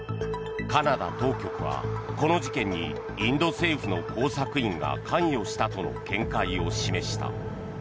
カナダ当局は、この事件にインド政府の工作員が関与したとの見解を示した。